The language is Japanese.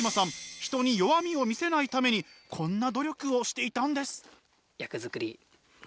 人に弱みを見せないためにこんな努力をしていたんです。